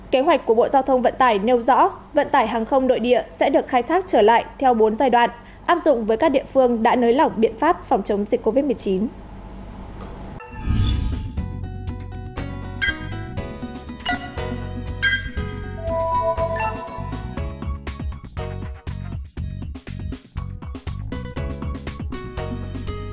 kế hoạch của bộ giao thông vận tải nêu rõ vận tải hàng không nội địa sẽ được khai thác trở lại theo bốn giai đoạn áp dụng với các địa phương đã nới lỏng biện pháp phòng chống dịch covid một mươi chín